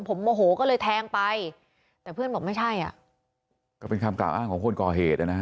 ผมโมโหก็เลยแทงไปแต่เพื่อนผมไม่ใช่ในครามขาวกลางของคนก่อเหตุนะ